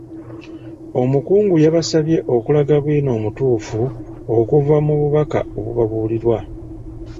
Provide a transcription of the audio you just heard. Omukungu yabasabye okulaga bwino omutuufu okuva mu bubaka obubalirirwa.